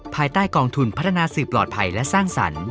ภายใต้กองทุนพัฒนาสื่อปลอดภัยและสร้างสรรค์